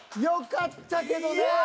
よかったけどね。